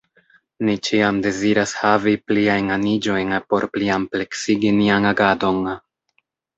Ni ĉiam deziras havi pliajn aniĝojn por pliampleksigi nian agadon.